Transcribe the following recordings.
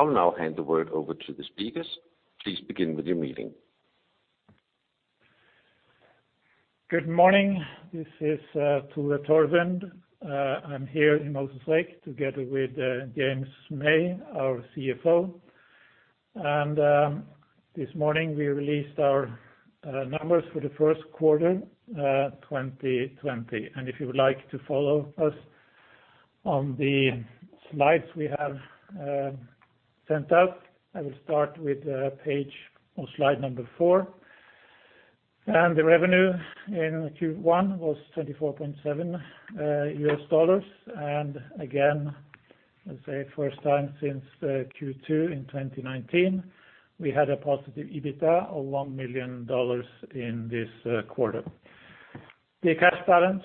I'll now hand the word over to the speakers. Please begin with your meeting. Good morning. This is Tore Torvund. I'm here in Moses Lake, together with James May, our CFO. This morning, we released our numbers for the first quarter 2020. If you would like to follow us on the slides we have sent out, I will start with page or slide number 4. The revenue in Q1 was $24.7 million. Again, let's say first time since Q2 in 2019, we had a positive EBITDA of $1 million in this quarter. The cash balance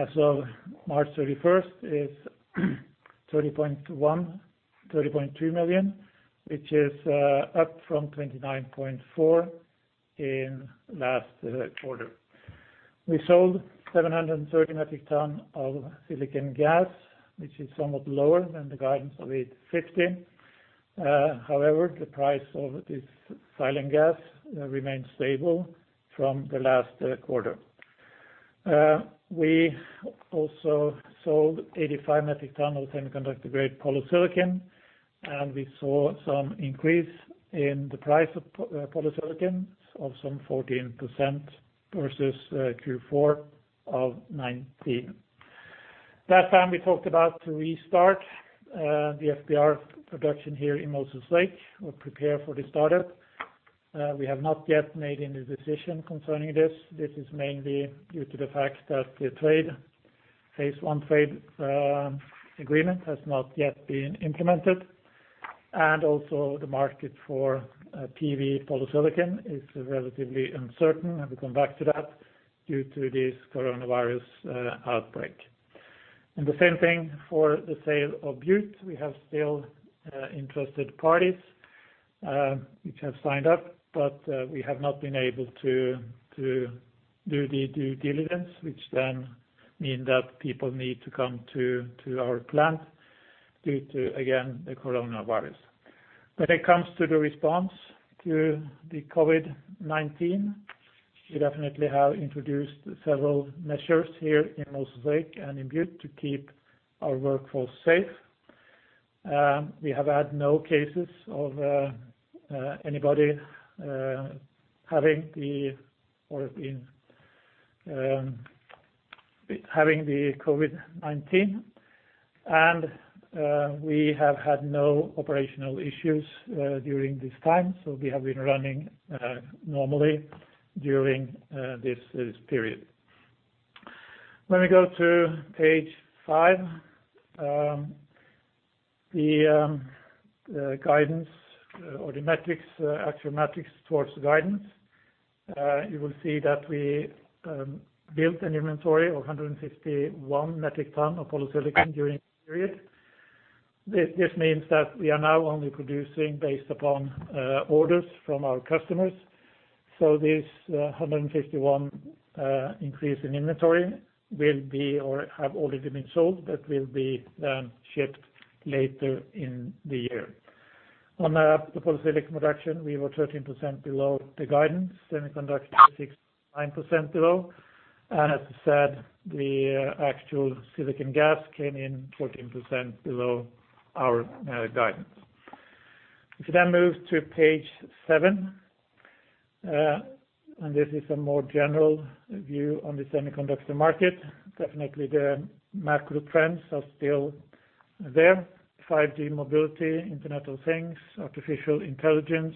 as of March 31 is $30.3 million, which is up from $29.4 million in last quarter. We sold 730 metric tons of silicon gas, which is somewhat lower than the guidance of 850. However, the price of this silane gas remains stable from the last quarter. We also sold 85 metric tons of semiconductor-grade polysilicon, and we saw some increase in the price of polysilicon, of some 14% versus Q4 of 2019. Last time, we talked about to restart the FBR production here in Moses Lake, or prepare for the startup. We have not yet made any decision concerning this. This is mainly due to the fact that the Phase One Trade Agreement has not yet been implemented, and also the market for PV polysilicon is relatively uncertain, and we come back to that, due to this coronavirus outbreak. And the same thing for the sale of Butte. We have still interested parties which have signed up, but we have not been able to do the due diligence, which then mean that people need to come to our plant due to, again, the coronavirus. When it comes to the response to the COVID-19, we definitely have introduced several measures here in Moses Lake and in Butte to keep our workforce safe. We have had no cases of anybody having the COVID-19, and we have had no operational issues during this time, so we have been running normally during this period. When we go to page 5, the guidance, or the metrics, actual metrics towards the guidance, you will see that we built an inventory of 151 metric ton of polysilicon during the period. This means that we are now only producing based upon orders from our customers, so this 151 increase in inventory will be or have already been sold, but will be shipped later in the year. On the polysilicon production, we were 13% below the guidance, semiconductor 6.9% below, and as I said, the actual silicon gas came in 14% below our guidance. If you then move to page 7, and this is a more general view on the semiconductor market, definitely the macro trends are still there. 5G mobility, Internet of Things, Artificial Intelligence,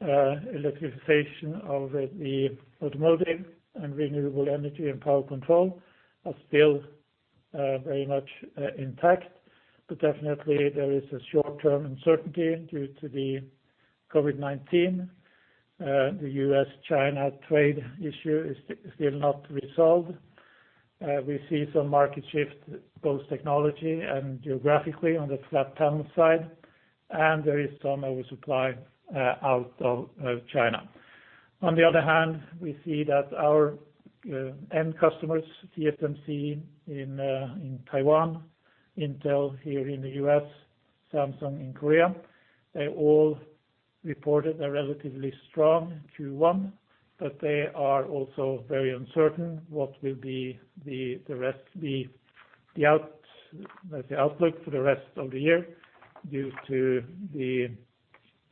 electrification of the automotive, and renewable energy and power control are still very much intact. But definitely there is a short-term uncertainty due to the COVID-19. The U.S., China trade issue is still not resolved. We see some market shift, both technology and geographically, on the flat panel side, and there is some oversupply out of China. On the other hand, we see that our end customers, TSMC in Taiwan, Intel here in the U.S., Samsung in Korea, they all reported a relatively strong Q1, but they are also very uncertain what will be the outlook for the rest of the year due to the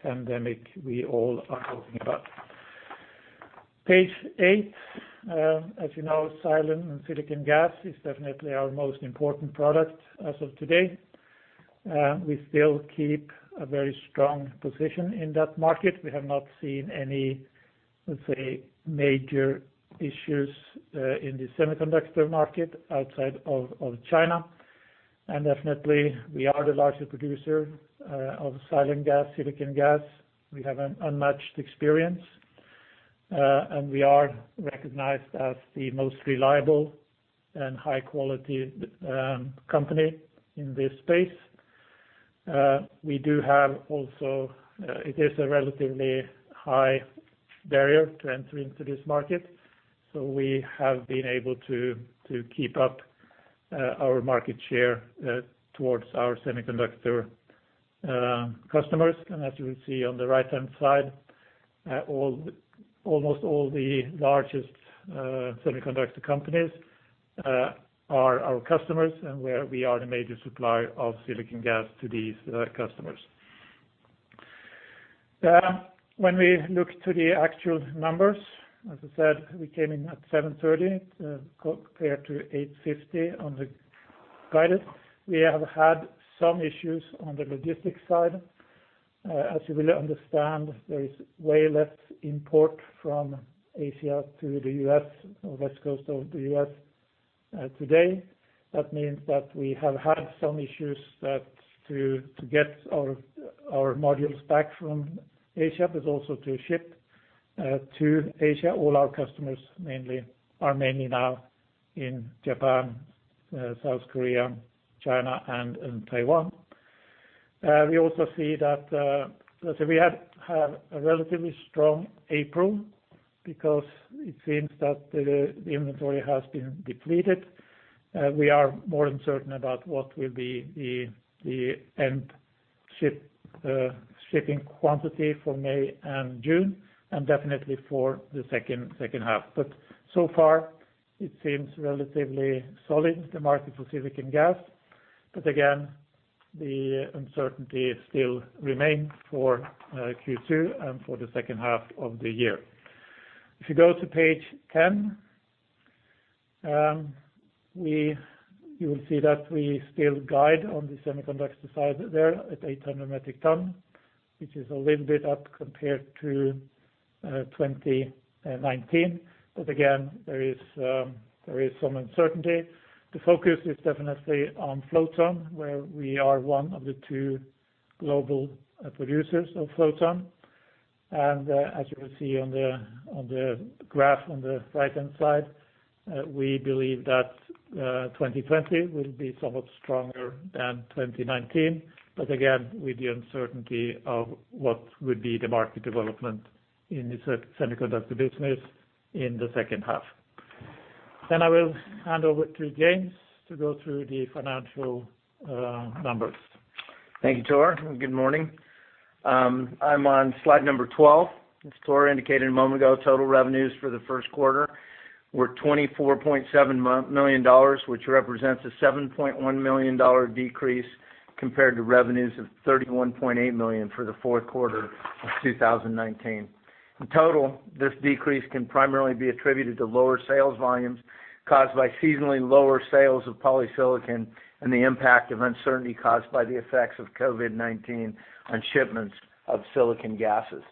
pandemic we all are talking about. Page eight, as you know, silane and silicon gas is definitely our most important product as of today. We still keep a very strong position in that market. We have not seen any, let's say, major issues in the semiconductor market outside of China. And definitely, we are the largest producer of silane gas, silicon gas. We have an unmatched experience, and we are recognized as the most reliable and high quality company in this space. We do have also. It is a relatively high barrier to enter into this market, so we have been able to keep up our market share towards our semiconductor customers. As you will see on the right-hand side, almost all the largest semiconductor companies are our customers, and where we are the major supplier of silicon gas to these customers. When we look to the actual numbers, as I said, we came in at $730 compared to $850 on the guidance. We have had some issues on the logistics side. As you will understand, there is way less import from Asia to the U.S., or West Coast of the U.S., today. That means that we have had some issues to get our modules back from Asia, but also to ship to Asia. All our customers mainly are mainly now in Japan, South Korea, China, and in Taiwan. We also see that, so we have had a relatively strong April, because it seems that the inventory has been depleted. We are more uncertain about what will be the end ship shipping quantity for May and June, and definitely for the second half. But so far, it seems relatively solid, the market for silicon gas. But again, the uncertainty still remain for Q2 and for the second half of the year. If you go to page 10, you will see that we still guide on the semiconductor side there at 800 metric ton, which is a little bit up compared to 2019. But again, there is some uncertainty. The focus is definitely on Float Zone, where we are one of the two global producers of Float Zone. As you will see on the graph on the right-hand side, we believe that 2020 will be somewhat stronger than 2019, but again, with the uncertainty of what would be the market development in the semiconductor business in the second half. Then I will hand over to James to go through the financial numbers. Thank you, Tor. Good morning. I'm on slide number 12. As Tor indicated a moment ago, total revenues for the first quarter were $24.7 million, which represents a $7.1 million decrease compared to revenues of $31.8 million for the fourth quarter of 2019. In total, this decrease can primarily be attributed to lower sales volumes caused by seasonally lower sales of polysilicon and the impact of uncertainty caused by the effects of COVID-19 on shipments of silicon gases.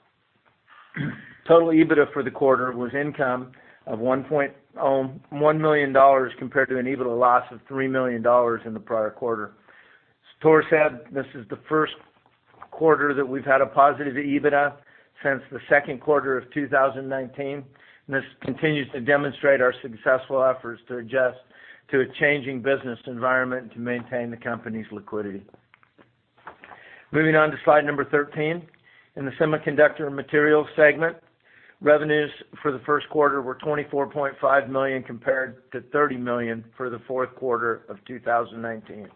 Total EBITDA for the quarter was income of $1.1 million compared to an EBITDA loss of $3 million in the prior quarter. As Tor said, this is the first quarter that we've had a positive EBITDA since the second quarter of 2019, and this continues to demonstrate our successful efforts to adjust to a changing business environment to maintain the company's liquidity. Moving on to slide number 13. In the Semiconductor Materials segment, revenues for the first quarter were $24.5 million compared to $30 million for the fourth quarter of 2019.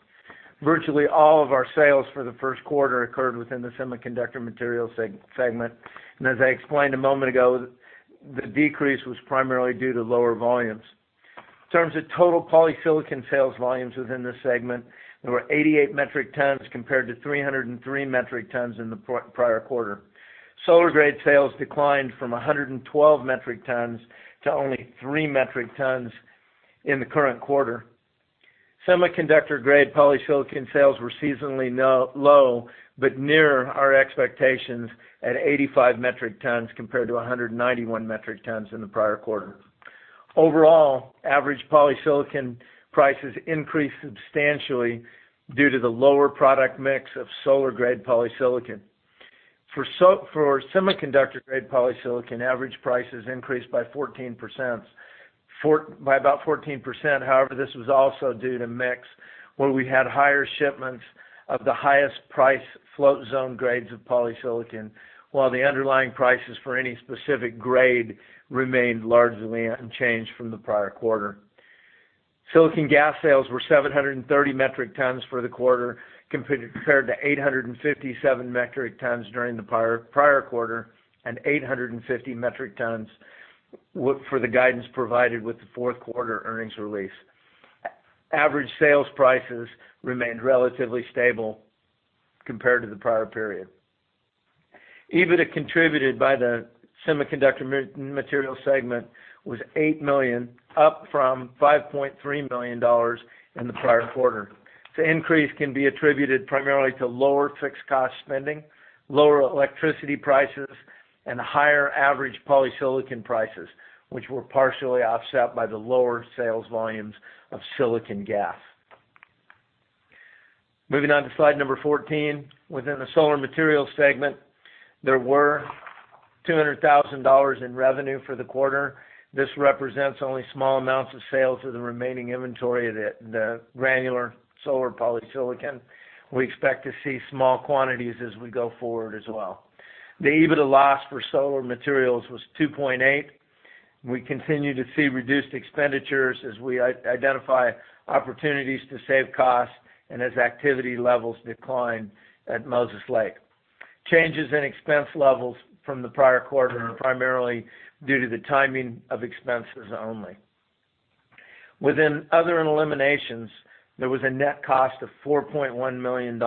Virtually all of our sales for the first quarter occurred within the Semiconductor Materials segment, and as I explained a moment ago, the decrease was primarily due to lower volumes. In terms of total polysilicon sales volumes within this segment, there were 88 metric tons compared to 303 metric tons in the prior quarter. Solar Grade sales declined from 112 metric tons to only 3 metric tons in the current quarter. Semiconductor-Grade Polysilicon sales were seasonally low, but near our expectations at 85 metric tons, compared to 191 metric tons in the prior quarter. Overall, average polysilicon prices increased substantially due to the lower product mix of Solar Grade polysilicon. For semiconductor-grade polysilicon, average prices increased by 14%, by about 14%. However, this was also due to mix, where we had higher shipments of the highest price Float Zone grades of polysilicon, while the underlying prices for any specific grade remained largely unchanged from the prior quarter. Silicon gas sales were 730 metric tons for the quarter, compared to 857 metric tons during the prior, prior quarter, and 850 metric tons for the guidance provided with the fourth quarter earnings release. Average sales prices remained relatively stable compared to the prior period. EBITDA contributed by the Semiconductor Material segment was $8 million, up from $5.3 million in the prior quarter. The increase can be attributed primarily to lower fixed cost spending, lower electricity prices, and higher average polysilicon prices, which were partially offset by the lower sales volumes of silicon gas. Moving on to slide number 14. Within the Solar Materials segment, there were $200,000 in revenue for the quarter. This represents only small amounts of sales of the remaining inventory of the granular solar polysilicon. We expect to see small quantities as we go forward as well. The EBITDA loss for Solar Materials was $2.8 million. We continue to see reduced expenditures as we identify opportunities to save costs and as activity levels decline at Moses Lake. Changes in expense levels from the prior quarter are primarily due to the timing of expenses only. Within other eliminations, there was a net cost of $4.1 million.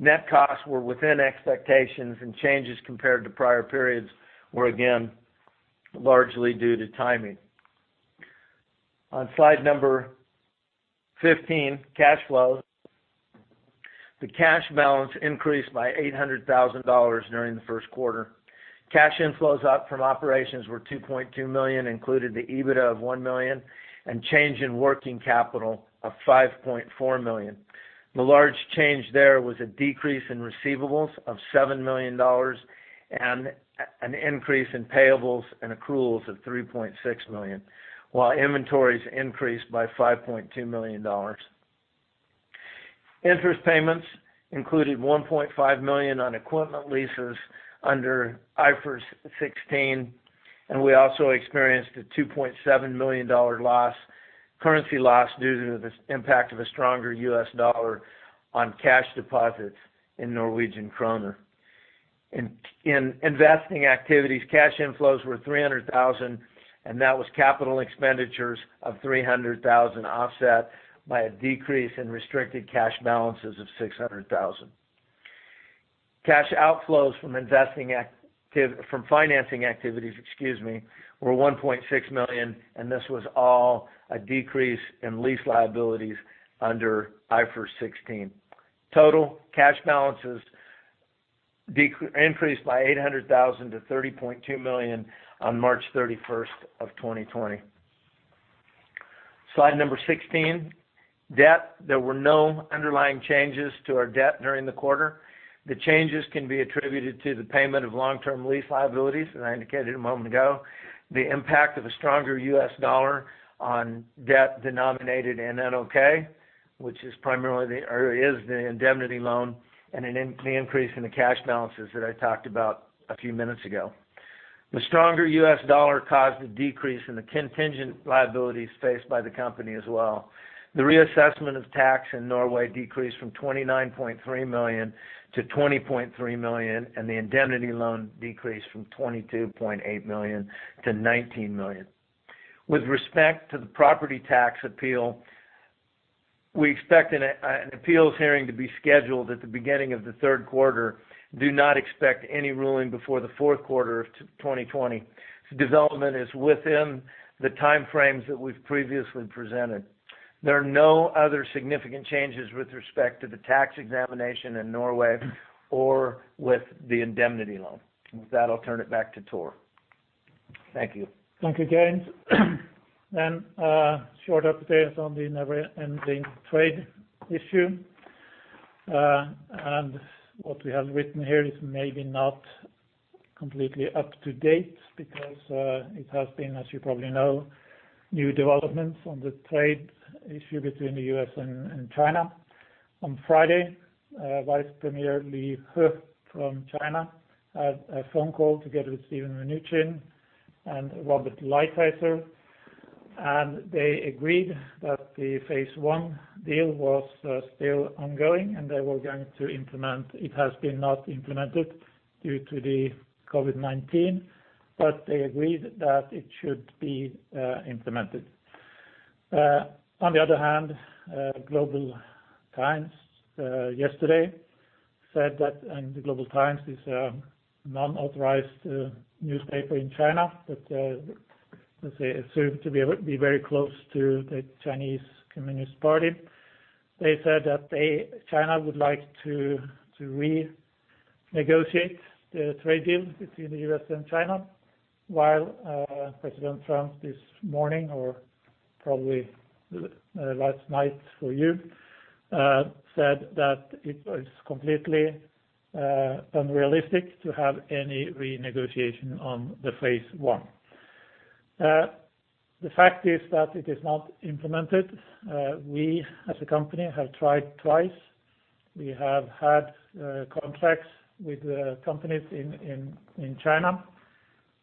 Net costs were within expectations, and changes compared to prior periods were, again, largely due to timing. On slide number 15, cash flows. The cash balance increased by $800,000 during the first quarter. Cash inflows from operations were $2.2 million, included the EBITDA of $1 million, and change in working capital of $5.4 million. The large change there was a decrease in receivables of $7 million and an increase in payables and accruals of $3.6 million, while inventories increased by $5.2 million. Interest payments included $1.5 million on equipment leases under IFRS 16, and we also experienced a $2.7 million dollar loss, currency loss, due to the impact of a stronger US dollar on cash deposits in Norwegian kroner. In investing activities, cash inflows were $300,000, and that was capital expenditures of $300,000, offset by a decrease in restricted cash balances of $600,000. Cash outflows from financing activities, excuse me, were $1.6 million, and this was all a decrease in lease liabilities under IFRS 16. Total cash balances increased by 800,000 to $30.2 million on March 31, 2020. Slide 16, debt. There were no underlying changes to our debt during the quarter. The changes can be attributed to the payment of long-term lease liabilities, as I indicated a moment ago, the impact of a stronger US dollar on debt denominated in NOK, which is primarily the indemnity loan, and the increase in the cash balances that I talked about a few minutes ago. The stronger US dollar caused a decrease in the contingent liabilities faced by the company as well. The reassessment of tax in Norway decreased from 29.3 million to 20.3 million, and the indemnity loan decreased from 22.8 million to 19 million. With respect to the property tax appeal, we expect an appeals hearing to be scheduled at the beginning of the third quarter. Do not expect any ruling before the fourth quarter of 2020. This development is within the time frames that we've previously presented. There are no other significant changes with respect to the tax examination in Norway or with the indemnity loan. With that, I'll turn it back to Tore. Thank you. Thank you, James. Then, short update on the never-ending trade issue. What we have written here is maybe not completely up to date because, as you probably know, it has been new developments on the trade issue between the U.S. and China. On Friday, Vice Premier Liu He from China had a phone call together with Steven Mnuchin and Robert Lighthizer, and they agreed that the phase one deal was still ongoing, and they were going to implement it. It has been not implemented due to the COVID-19, but they agreed that it should be implemented. On the other hand, Global Times yesterday said that, and the Global Times is a non-authorized newspaper in China, but, let's say, assumed to be very close to the Chinese Communist Party. They said that they, China, would like to renegotiate the trade deal between the U.S. and China, while President Trump this morning, or probably last night for you, said that it is completely unrealistic to have any renegotiation on the Phase One. The fact is that it is not implemented. We, as a company, have tried twice. We have had contracts with companies in China,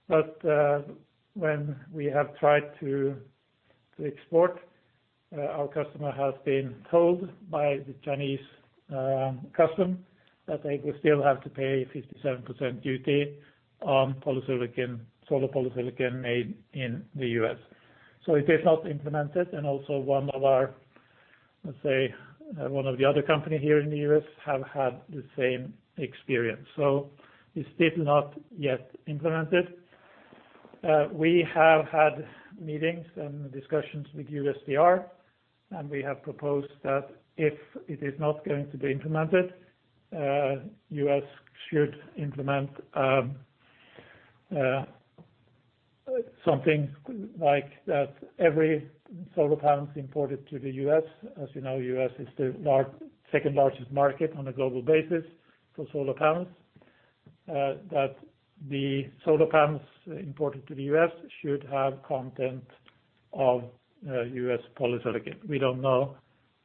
but when we have tried to export, our customer has been told by the Chinese customs that they will still have to pay 57% duty on polysilicon, solar polysilicon made in the U.S. So it is not implemented, and also one of our, let's say, one of the other company here in the U.S. have had the same experience, so it's still not yet implemented. We have had meetings and discussions with USTR, and we have proposed that if it is not going to be implemented, US should implement something like that every solar panels imported to the US, as you know, US is the second largest market on a global basis for solar panels, that the solar panels imported to the US should have content of US polysilicon. We don't know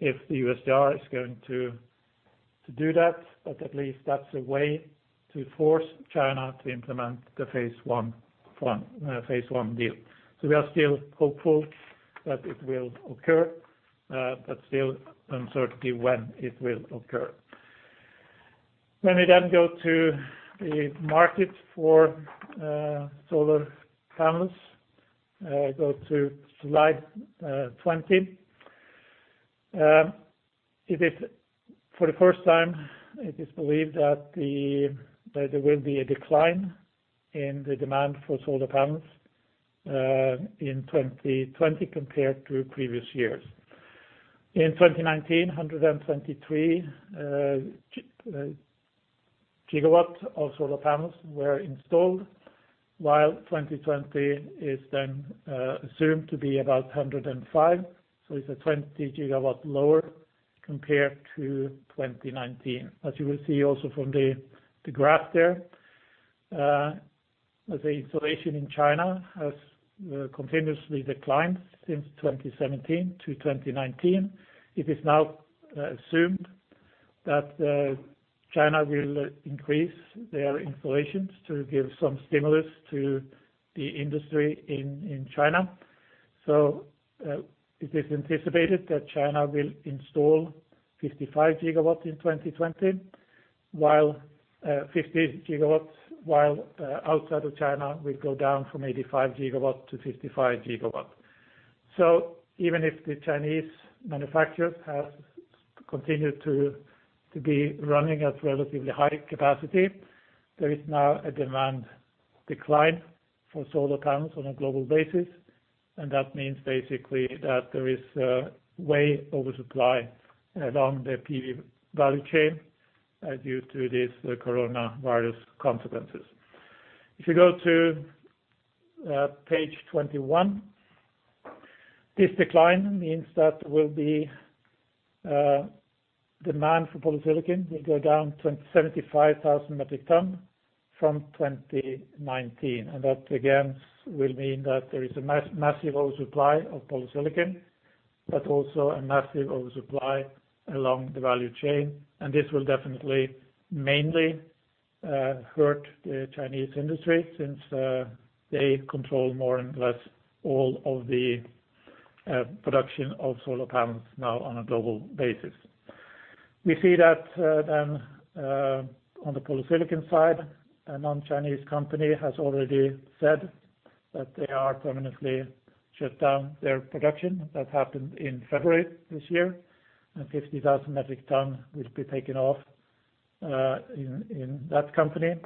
if the USTR is going to do that, but at least that's a way to force China to implement the phase one, phase one deal. So we are still hopeful that it will occur, but still uncertainty when it will occur. When we then go to the market for solar panels, go to slide 20. It is for the first time, it is believed that there will be a decline in the demand for solar panels in 2020 compared to previous years. In 2019, 123 gigawatts of solar panels were installed, while 2020 is then assumed to be about 105, so it's a 20 gigawatt lower compared to 2019. As you will see also from the graph there, as the installation in China has continuously declined since 2017 to 2019, it is now assumed that China will increase their installations to give some stimulus to the industry in China. So, it is anticipated that China will install 55 gigawatts in 2020, while 50 gigawatts outside of China will go down from 85 gigawatts to 55 gigawatts. So even if the Chinese manufacturers have continued to be running at relatively high capacity, there is now a demand decline for solar panels on a global basis, and that means basically that there is way oversupply along the PV value chain due to this coronavirus consequences. If you go to page 21, this decline means that will be demand for polysilicon will go down to 75,000 metric tons from 2019. And that, again, will mean that there is a massive oversupply of polysilicon, but also a massive oversupply along the value chain. And this will definitely mainly hurt the Chinese industry, since they control more or less all of the production of solar panels now on a global basis. We see that, then, on the polysilicon side, a non-Chinese company has already said that they are permanently shut down their production. That happened in February this year, and 50,000 metric tons will be taken off in that company.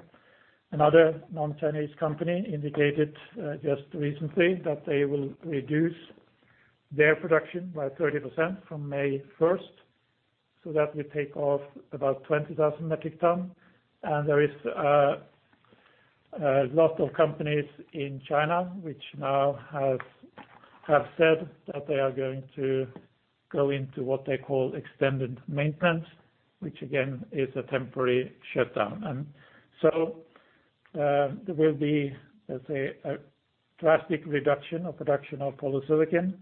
Another non-Chinese company indicated just recently that they will reduce their production by 30% from May first, so that will take off about 20,000 metric tons. And there is a lot of companies in China, which now have said that they are going to go into what they call extended maintenance, which again is a temporary shutdown. And so there will be, let's say, a drastic reduction of production of polysilicon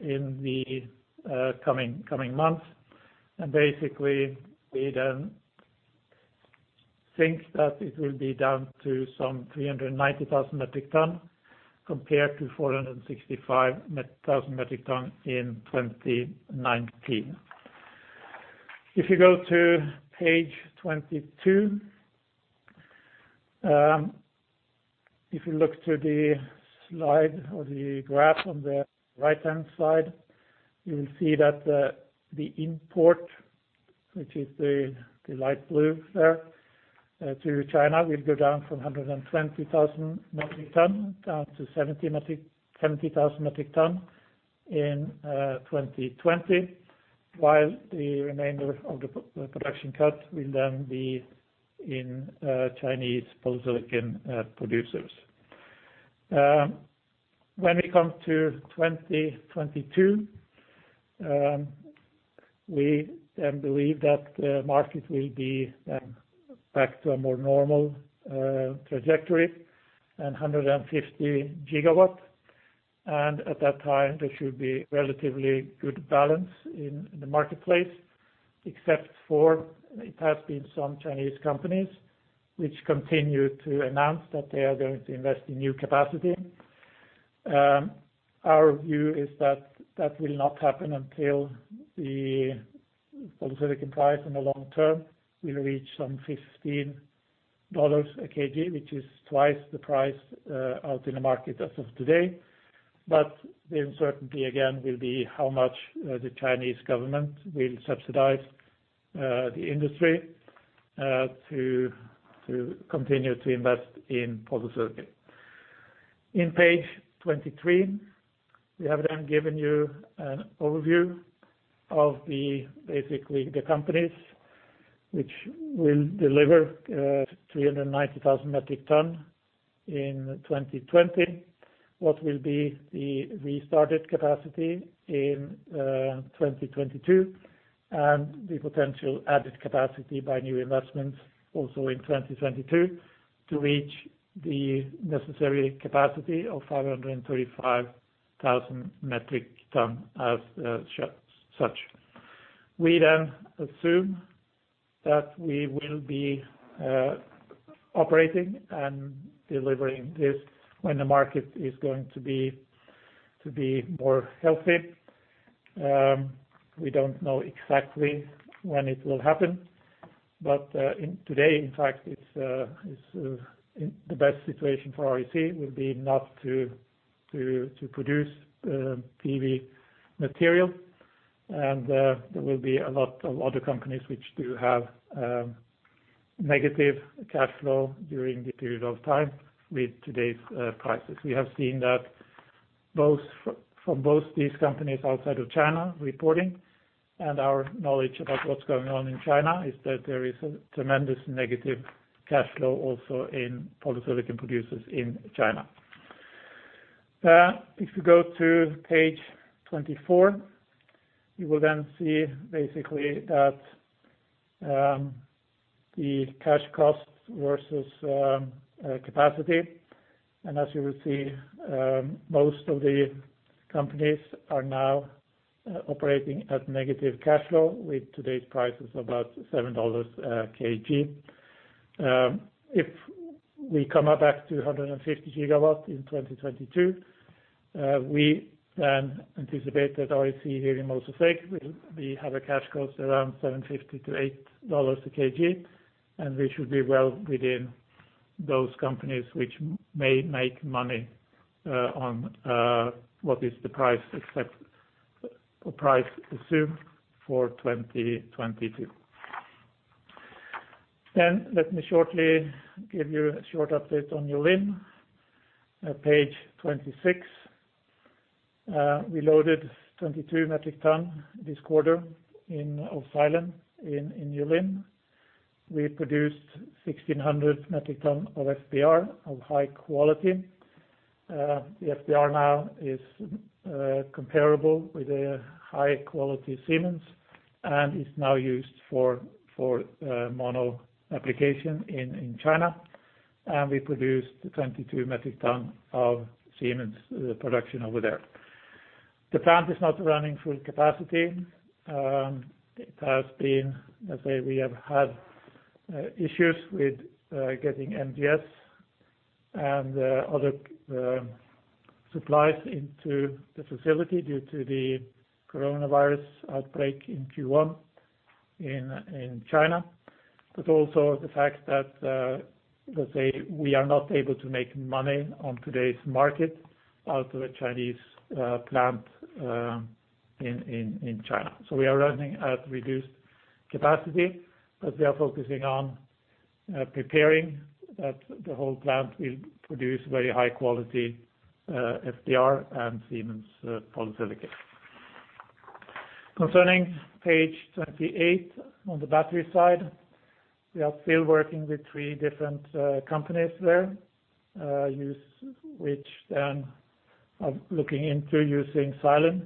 in the coming months. Basically, we then think that it will be down to some 390,000 metric ton, compared to 465,000 metric ton in 2019. If you go to page 22, if you look to the slide or the graph on the right-hand side, you will see that the import, which is the light blue there, to China, will go down from 120,000 metric ton, down to 70,000 metric ton in 2020, while the remainder of the production cut will then be in Chinese polysilicon producers. When it comes to 2022, we then believe that the market will be then back to a more normal trajectory, and 150 gigawatt. And at that time, there should be relatively good balance in the marketplace, except for it has been some Chinese companies, which continue to announce that they are going to invest in new capacity. Our view is that that will not happen until the polysilicon price in the long term will reach some $15/kg, which is twice the price out in the market as of today. But the uncertainty, again, will be how much the Chinese government will subsidize the industry to continue to invest in polysilicon. On page 23, we have then given you an overview of the, basically, the companies which will deliver 390,000 metric ton in 2020, what will be the restarted capacity in 2022, and the potential added capacity by new investments also in 2022 to reach the necessary capacity of 535 gigawatt... thousand metric ton as such. We then assume that we will be operating and delivering this when the market is going to be more healthy. We don't know exactly when it will happen, but in today, in fact, it's in the best situation for REC will be not to produce PV material. There will be a lot of other companies which do have negative cash flow during this period of time with today's prices. We have seen that both from both these companies outside of China reporting, and our knowledge about what's going on in China, is that there is a tremendous negative cash flow also in polysilicon producers in China. If you go to page 24, you will then see basically that the cash costs versus capacity. And as you will see, most of the companies are now operating at negative cash flow with today's prices about $7 KG. If we come up back to 150 gigawatts in 2022, we then anticipate that REC here in Moses Lake will be, have a cash cost around $7.50-$8 a KG, and we should be well within those companies which may make money, on, what is the price, price assumed for 2022. Then let me shortly give you a short update on Yulin, page 26. We loaded 22 metric tons this quarter in, of silane in, in Yulin. We produced 1,600 metric tons of FBR of high quality. The FBR now is, comparable with a high-quality Siemens, and is now used for, for, mono application in, in China. And we produced the 22 metric tons of Siemens, production over there. The plant is not running full capacity. It has been, let's say we have had issues with getting MGS and other supplies into the facility due to the coronavirus outbreak in Q1 in China. But also the fact that, let's say, we are not able to make money on today's market out of a Chinese plant in China. So we are running at reduced capacity, but we are focusing on preparing that the whole plant will produce very high quality FBR and Siemens polysilicon. Concerning page 28, on the battery side, we are still working with three different companies there, use which then are looking into using silane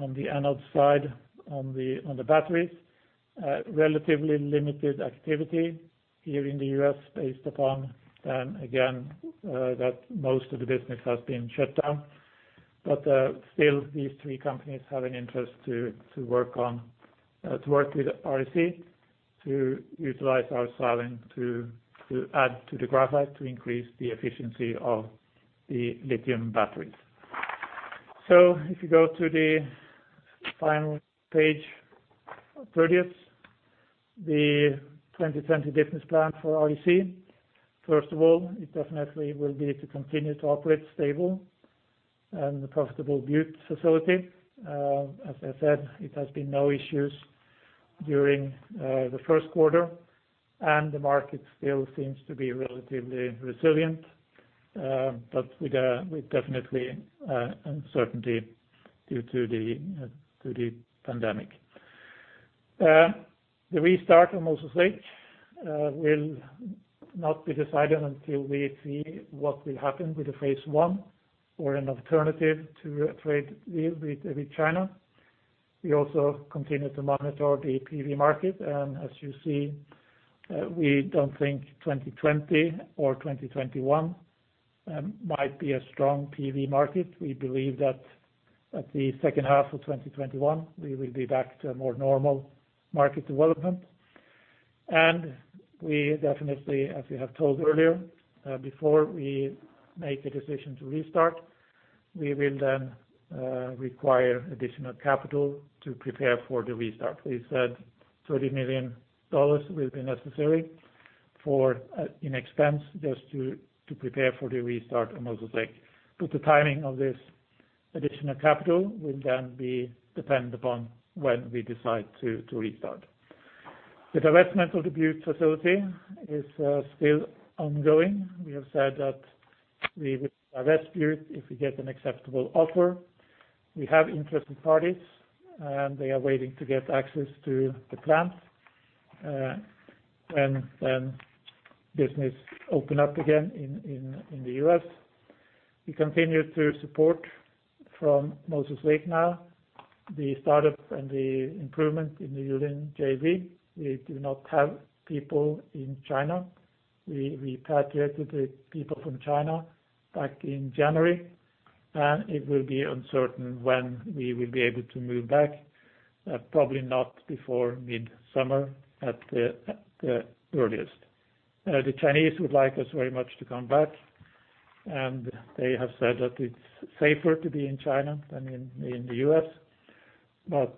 on the anode side, on the batteries. Relatively limited activity here in the U.S., based upon again that most of the business has been shut down. But still, these three companies have an interest to work with REC, to utilize our silane to add to the graphite, to increase the efficiency of the lithium batteries. So if you go to the final page, 30s, the 2020 business plan for REC. First of all, it definitely will be to continue to operate stable and the profitable Butte facility. As I said, it has been no issues during the first quarter, and the market still seems to be relatively resilient, but with definitely uncertainty due to the pandemic. The restart on Moses Lake will not be decided until we see what will happen with the Phase One or an alternative to a trade deal with China. We also continue to monitor the PV market, and as you see, we don't think 2020 or 2021 might be a strong PV market. We believe that at the second half of 2021, we will be back to a more normal market development. And we definitely, as we have told earlier, before we make a decision to restart, we will then require additional capital to prepare for the restart. We said $30 million will be necessary for in expense, just to prepare for the restart on Moses Lake. But the timing of this additional capital will then be dependent upon when we decide to restart. The divestment of the Butte facility is still ongoing. We have said that we will divest Butte if we get an acceptable offer. We have interested parties, and they are waiting to get access to the plant, when business open up again in the US. We continue to support from Moses Lake the startup and the improvement in the Yulin JV; we do not have people in China. We repatriated the people from China back in January, and it will be uncertain when we will be able to move back, probably not before mid-summer at the earliest. The Chinese would like us very much to come back, and they have said that it's safer to be in China than in the US, but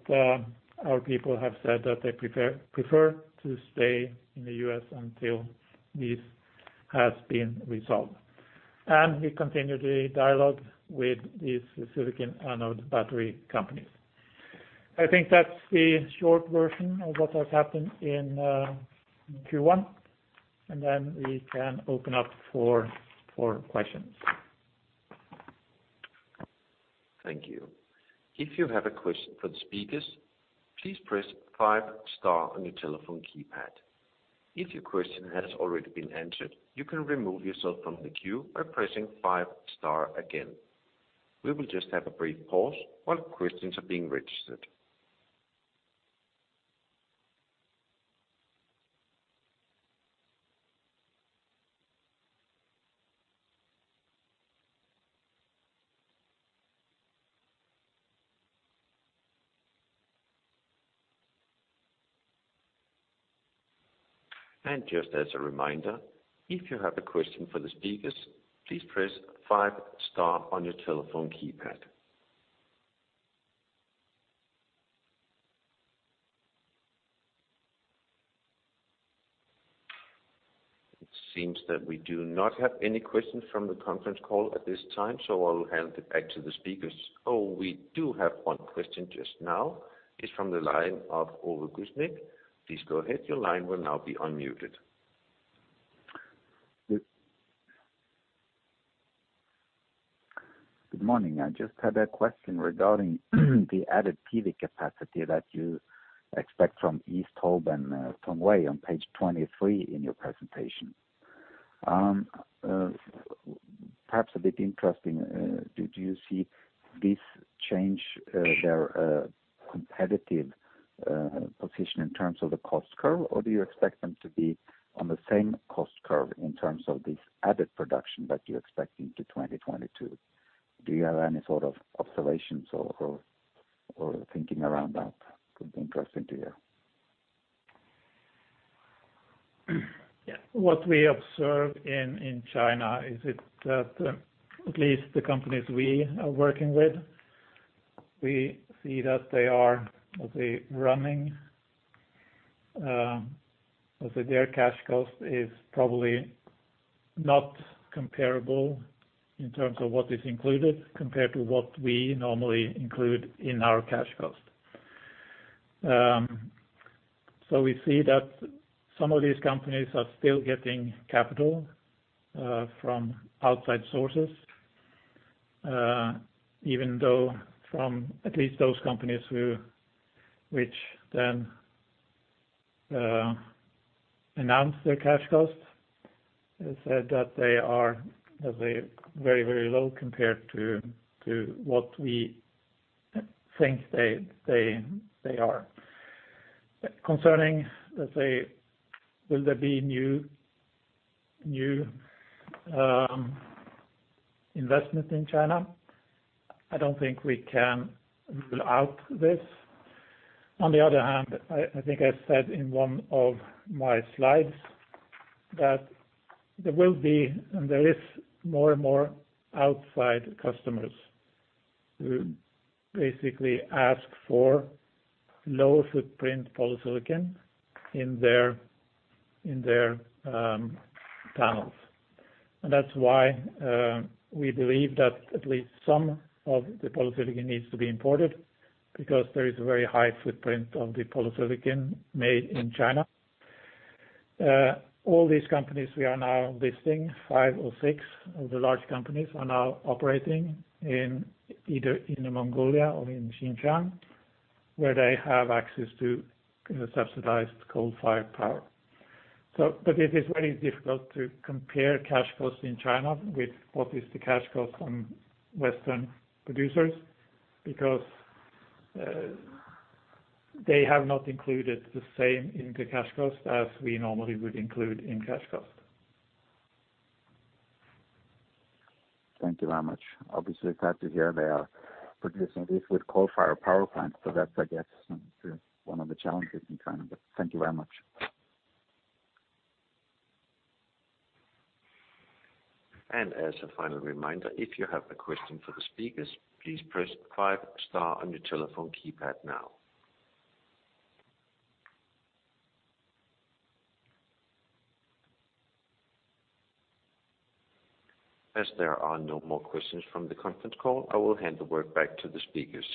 our people have said that they prefer to stay in the US until this has been resolved. And we continue the dialogue with these silicon anode battery companies. I think that's the short version of what has happened in Q1, and then we can open up for questions. Thank you. If you have a question for the speakers, please press five star on your telephone keypad. If your question has already been answered, you can remove yourself from the queue by pressing five star again. We will just have a brief pause while questions are being registered. Just as a reminder, if you have a question for the speakers, please press five star on your telephone keypad. It seems that we do not have any questions from the conference call at this time, so I'll hand it back to the speakers. Oh, we do have one question just now. It's from the line of Ole Kulseng. Please go ahead, your line will now be unmuted. Good morning. I just had a question regarding the added PV capacity that you expect from East Hope and, Tongwei on page 23 in your presentation. Perhaps a bit interesting, did you see this change, their, competitive, position in terms of the cost curve? Or do you expect them to be on the same cost curve in terms of this added production that you're expecting to 2022? Do you have any sort of observations or, or, or thinking around that? Would be interesting to hear. Yeah. What we observe in China is that at least the companies we are working with, we see that they are, let's say, running. Let's say, their Cash Cost is probably not comparable in terms of what is included, compared to what we normally include in our Cash Cost. So we see that some of these companies are still getting capital from outside sources, even though from at least those companies which then announce their Cash Costs, have said that they are, let's say, very, very low compared to what we think they are. Concerning, let's say, will there be new investment in China? I don't think we can rule out this. On the other hand, I think I said in one of my slides that there will be, and there is more and more outside customers who basically ask for low footprint polysilicon in their tunnels. And that's why, we believe that at least some of the polysilicon needs to be imported, because there is a very high footprint of the polysilicon made in China. All these companies we are now listing, 5 or 6 of the large companies, are now operating in either Inner Mongolia or in Xinjiang, where they have access to subsidized coal-fired power. But it is very difficult to compare cash costs in China with what is the cash cost on Western producers, because, they have not included the same in the cash cost as we normally would include in cash cost. Thank you very much. Obviously, glad to hear they are producing this with coal-fired power plants, so that's, I guess, one of the challenges in China. But thank you very much. As a final reminder, if you have a question for the speakers, please press 5 star on your telephone keypad now. As there are no more questions from the conference call, I will hand the word back to the speakers.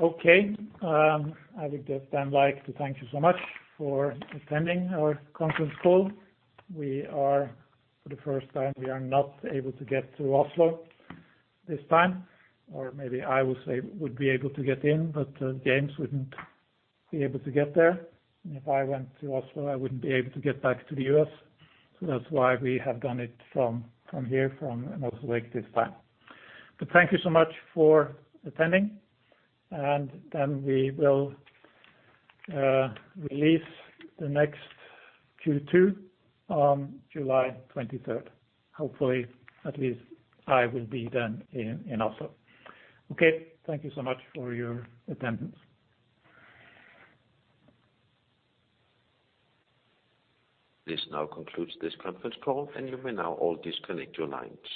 Okay, I would just then like to thank you so much for attending our conference call. We are, for the first time, we are not able to get to Oslo this time, or maybe I will say, would be able to get in, but James wouldn't be able to get there. And if I went to Oslo, I wouldn't be able to get back to the U.S., so that's why we have done it from here, from Oslo this time. But thank you so much for attending, and then we will release the next Q2 on July 23rd. Hopefully, at least I will be then in Oslo. Okay, thank you so much for your attendance. This now concludes this conference call, and you may now all disconnect your lines.